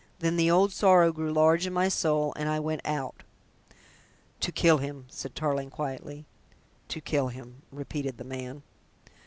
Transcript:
Then the old sorrow grew large in my soul, and I went out " "To kill him," said Tarling quietly. "To kill him," repeated the man.